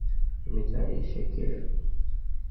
আমি জানি সে কে।